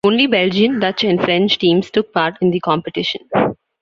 Only Belgian, Dutch, and French teams took part in the competition.